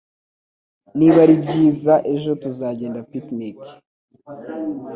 Niba ari byiza ejo, tuzagenda picnic.